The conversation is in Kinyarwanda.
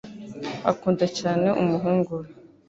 Akunda cyane umuhungu we.